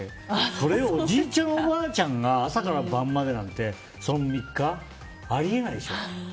それをおじいちゃん、おばあちゃんが朝から晩までなんて、３日あり得ないでしょ。